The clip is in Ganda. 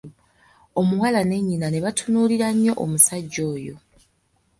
Omuwala ne nnyina ne batunuulira nnyo omusajja oyo.